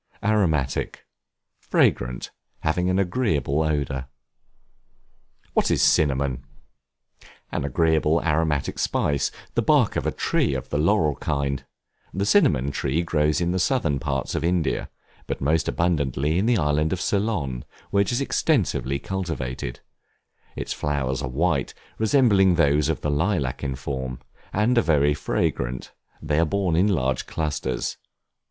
Aromatic, fragrant, having an agreeable odor. What is Cinnamon? An agreeable, aromatic spice, the bark of a tree of the laurel kind; the Cinnamon tree grows in the Southern parts of India; but most abundantly in the island of Ceylon, where it is extensively cultivated; its flowers are white, resembling those of the lilac in form, and are very fragrant; they are borne in large clusters.